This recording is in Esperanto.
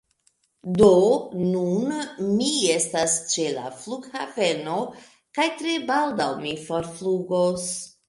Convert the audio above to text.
Do, nun mi estas ĉe la flughaveno, kaj tre baldaŭ mi forflugos.